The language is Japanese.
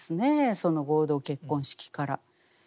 その合同結婚式から。